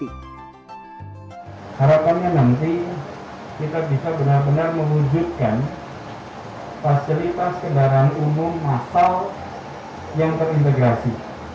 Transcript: harapannya nanti kita bisa benar benar mewujudkan fasilitas kendaraan umum masal yang terintegrasi